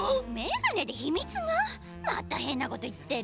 またへんなこといってる。